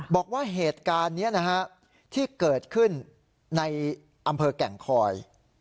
บอกว่าเหตุการณ์นี้นะฮะที่เกิดขึ้นในอำเภอแก่งคอย